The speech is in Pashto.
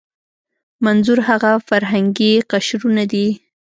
منظور هغه فرهنګي قشرونه دي.